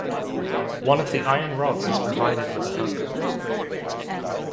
One of the iron rods is provided with a hook.